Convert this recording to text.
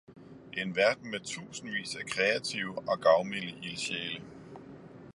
En verden med tusindvis af kreative og gavmilde ildsjæle